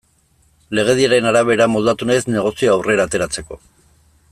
Legediaren arabera moldatu naiz negozioa aurrera ateratzeko.